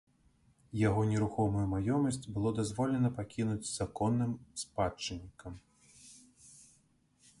Яго нерухомую маёмасць было дазволена пакінуць законным спадчыннікам.